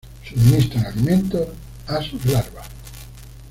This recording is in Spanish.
Suministran alimentos a sus larvas.